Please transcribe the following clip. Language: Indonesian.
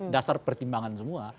dasar pertimbangan semua